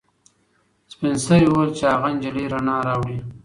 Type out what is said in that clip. سپین سرې وویل چې هغه نجلۍ رڼا راوړي.